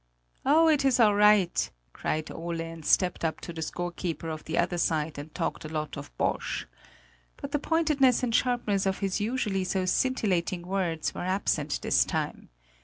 "Oh, it is all right!" cried Ole and stepped up to the scorekeeper of the other side and talked a lot of bosh. But the pointedness and sharpness of his usually so scintillating words were absent this time.